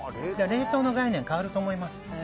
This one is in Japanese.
冷凍の概念が変わると思います。